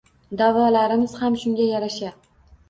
Da'volarimiz ham shunga yarasha